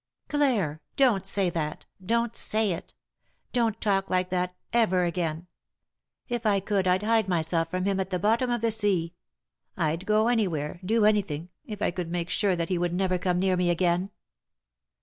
"Clare I— don't say that I— don't say it ! Don't talk like that— «ver again 1 If I could I'd hide myself from him at the bottom of the sea. I'd go anywhere, do anything, if I could make sure that he would never come near me again."